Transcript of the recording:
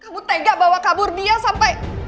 kamu tega bawa kabur dia sampai